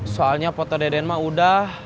soalnya foto dedenma udah